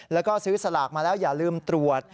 แล้วก็ซื้อสลากมาแล้วอย่าลืมตรวจ